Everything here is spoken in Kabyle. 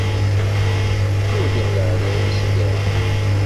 Dduriɣ leɛnaya n Sidi Rebbi.